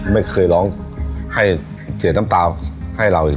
ไม่เคยร้องให้เสียน้ำตาให้เราเลย